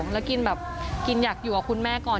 แล้วกินแบบกินอยากอยู่กับคุณแม่ก่อน